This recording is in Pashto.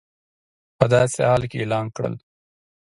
په داسې حال کې اعلان کړل